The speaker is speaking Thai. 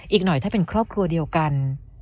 อีกหน่อยถ้าเป็นครอบครัวเดียวกัน